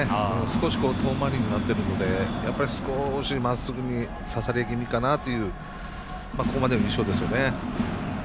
少し遠回りになっているので少しまっすぐにささり気味かなというここまでの印象ですよね。